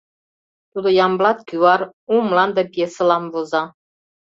Тудо «Ямблат кӱвар», «У мланде» пьесылам воза.